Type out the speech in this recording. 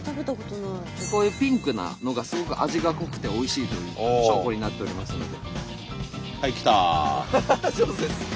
こういうピンクなのがすごく味が濃くておいしいという証拠になっておりますので。